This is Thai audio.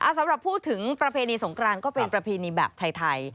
สำหรับพูดถึงประเพณีสงครานก็เป็นประเพณีแบบไทย